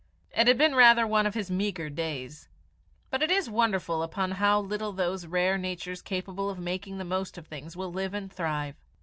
It had been rather one of his meagre days. But it is wonderful upon how little those rare natures capable of making the most of things will live and thrive.